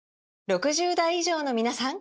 ６０代以上のみなさん！